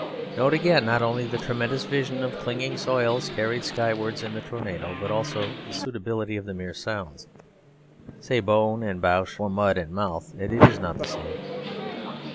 Note, again, not only the tremendous vision of clinging soils carried skywards in the tornado, but also the suitability of the mere sounds. Say "bone" and "bouche" for mud and mouth and it is not the same.